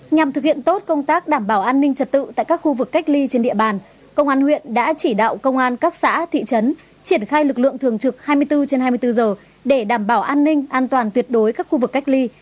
nhằm thực hiện tốt công tác đảm bảo an ninh trật tự tại các khu vực cách ly trên địa bàn công an huyện đã chỉ đạo công an các xã thị trấn triển khai lực lượng thường trực hai mươi bốn trên hai mươi bốn giờ để đảm bảo an ninh an toàn tuyệt đối các khu vực cách ly